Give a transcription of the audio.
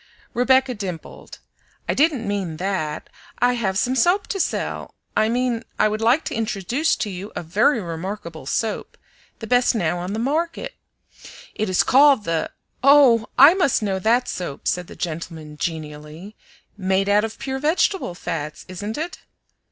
Rebecca dimpled. "I didn't mean THAT; I have some soap to sell; I mean I would like to introduce to you a very remarkable soap, the best now on the market. It is called the" "Oh! I must know that soap," said the gentleman genially. "Made out of pure vegetable fats, isn't it?"